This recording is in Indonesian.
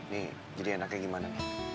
nih jadi enaknya gimana